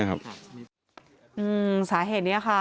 ประเ๗๘สาเหตุนี้ครับ